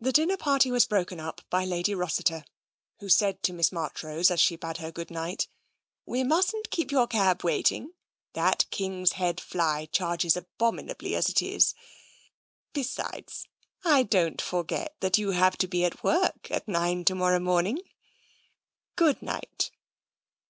The dinner party was broken up by Lady Rossiter, who said to Miss Marchrose as she bade her good night :" We mustn't keep your cab waiting ; that ' King's Head ' fly charges abominably as it is. Besides, I don't forget that you have to be at work at nine to morrow morning. Good night."